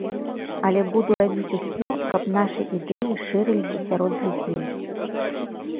Але буду рабіць усё, каб нашы ідэі шырыліся сярод людзей.